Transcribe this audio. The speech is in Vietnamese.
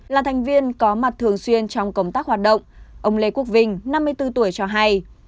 là thành viên có mặt thường xuyên trong công tác hoạt động ông lê quốc vinh năm mươi bốn tuổi cho hay